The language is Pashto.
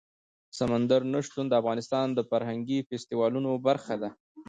سمندر نه شتون د افغانستان د فرهنګي فستیوالونو برخه ده.